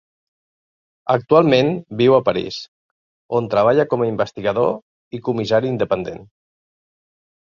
Actualment viu a París, on treballa com a investigador i comissari independent.